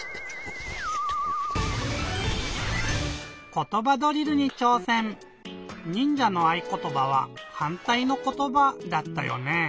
「ことばドリル」にちょうせん！にんじゃのあいことばは「はんたいのことば」だったよね。